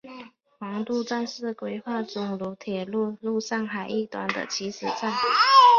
黄渡站是规划中沪通铁路上海一端的起始站。